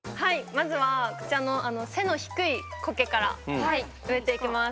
まずはこちらの背の低いコケから植えていきます。